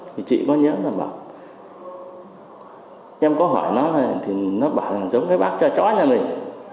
thì chị có nhớ là bảo em có hỏi nó này thì nó bảo là giống cái bác cho chó nhà mình